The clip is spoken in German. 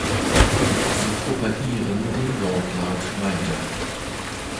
Sie propagieren den Wortlaut weiter.